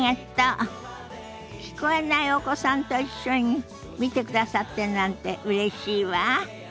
聞こえないお子さんと一緒に見てくださってるなんてうれしいわ。